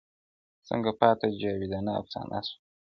ځکه پاته جاویدانه افسانه سوم,